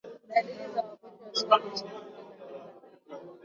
dalili za ugonjwa wa kisukari ni shinikizo la juu la damu